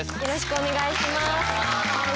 お願いします。